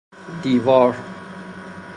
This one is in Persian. دیوار